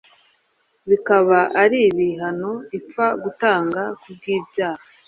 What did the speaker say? bikaba ari ibihano ipfa gutanga kubw'ibyaha.